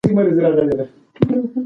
هغه لا هم په خپله غاړه کې پټه خاموشي لري.